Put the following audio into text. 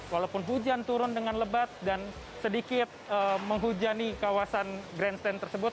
walaupun hujan turun dengan lebat dan sedikit menghujani kawasan grandstand tersebut